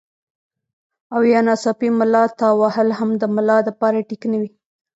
او يا ناڅاپي ملا تاوهل هم د ملا د پاره ټيک نۀ وي